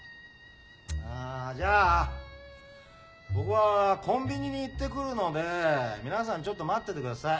あじゃあ僕はコンビニに行ってくるので皆さんちょっと待っててください。